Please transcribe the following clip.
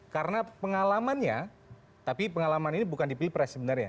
karena pengalamannya tapi pengalaman ini bukan di pilpres sebenarnya